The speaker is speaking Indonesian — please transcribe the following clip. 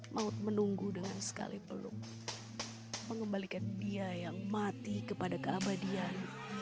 maut menunggu dengan sekali peluk mengembalikan dia yang mati kepada keabadian